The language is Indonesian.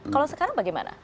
kalau sekarang bagaimana